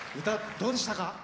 どうでしたか？